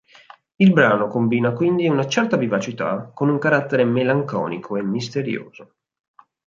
Il brano combina quindi una certa vivacità con un carattere melanconico e misterioso.